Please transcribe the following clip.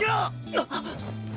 あっ！